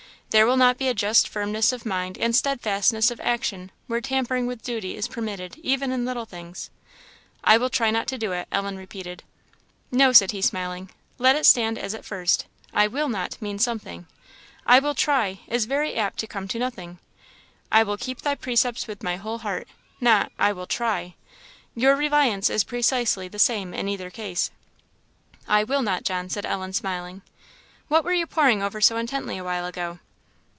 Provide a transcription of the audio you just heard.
There will not be a just firmness of mind and steadfastness of action where tampering with duty is permitted even in little things." "I will try not to do it," Ellen repeated. "No," said he, smiling "let it stand as at first. 'I will not' means something; 'I will try' is very apt to come to nothing, 'I will keep thy precepts with my whole heart! not 'I will try. ' Your reliance is precisely the same in either case." "I will not, John," said Ellen, smiling. "What were you poring over so intently a while ago?"